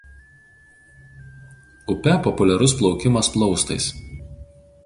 Upe populiarus plaukimas plaustais.